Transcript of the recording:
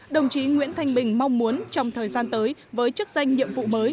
đồng chí nguyễn thanh bình mong muốn trong thời gian tới với chức danh nhiệm vụ mới